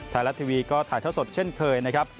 ไทยรัฐทีวีก็ถ่ายเท่าสดเช่นเคยนะครับ